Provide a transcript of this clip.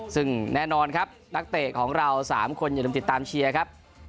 ซึ่งแน่นอนครับนักเตะของเรา๓คนอย่าลืมติดตามเชียร์ครับ